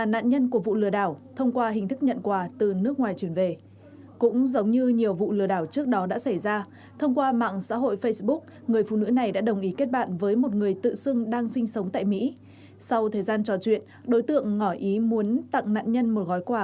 nạn nhân khi đã rơi vào mê trận thì không còn đủ sáng suốt để nhận ra